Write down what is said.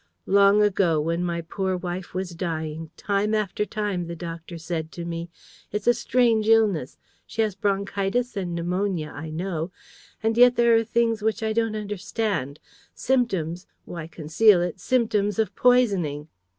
Long ago, when my poor wife was dying, time after time the doctor said to me, 'It's a strange illness. She has bronchitis and pneumonia, I know; and yet there are things which I don't understand, symptoms why conceal it? symptoms of poisoning.'